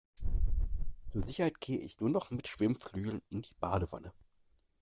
Zur Sicherheit gehe ich nur noch mit Schwimmflügeln in die Badewanne.